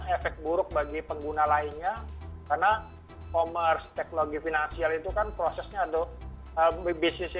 efek buruk bagi pengguna lainnya karena commerce teknologi finansial itu kan prosesnya ada bisnisnya